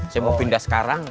saya mau pindah sekarang